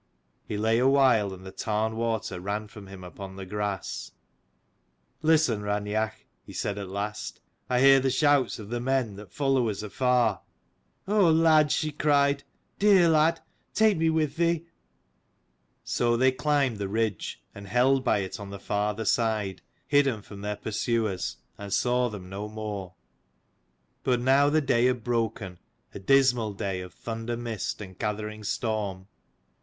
He lay awhile, and the tarn water ran from him upon the grass. "Listen, Raineach," he said at last: "I hear the shouts of the men that follow us afar." "O lad," she cried, "dear lad, take me with thee." So they climbed the ridge, and held by it on the farther side, hidden from their pursuers, and saw them no more. But now the day had broken, a dismal day of thunder mist and gathering storm.